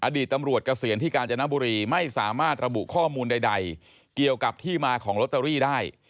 อดีตตำรวจเกษียณที่กาญจนบุรีไม่สามารถระบุข้อมูลใดเกี่ยวกับที่มาของลอตเตอรี่ได้